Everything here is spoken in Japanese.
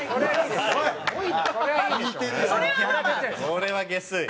これはゲスい。